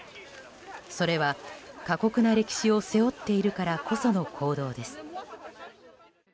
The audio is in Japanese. それは過酷な歴史を背負っているからこその行動です。